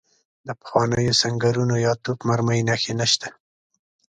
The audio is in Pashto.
د پخوانیو سنګرونو یا توپ مرمۍ نښې نشته.